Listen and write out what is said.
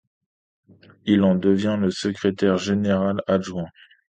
Il en devient le secrétaire général adjoint.